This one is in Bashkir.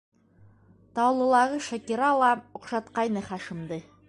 Таулылағы Шакира ла оҡшатҡайны Хашимды.